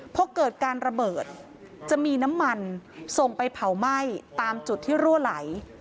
พอเกิดการระเบิดจะมีน้ำมันส่งไปเผาไหม้ตามจุดที่รั่วไหล